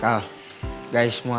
kal guys semua